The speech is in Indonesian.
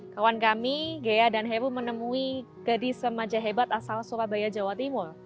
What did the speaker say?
kawan kami ghea dan heru menemui gadis remaja hebat asal surabaya jawa timur